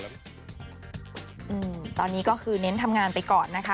อืมตอนนี้ก็คือเน้นทำงานไปก่อนนะคะ